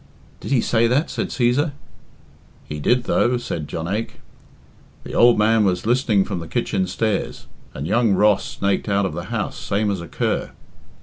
"Did he say that?" said Cæsar. "He did, though," said Jonaique. "The ould man was listening from the kitchen stairs, and young Ross snaked out of the house same as a cur."